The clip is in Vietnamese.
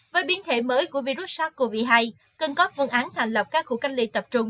với biến thể mới của virus sars cov hai cần có vương án thành lập các khu cách ly tập trung